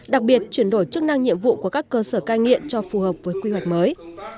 đặc biệt chuyển đổi chức năng nhiệm vụ của các cơ sở cai nghiện cho phù hợp với quy hoạch mới